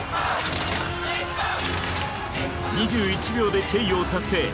２１秒でチェイヨー達成。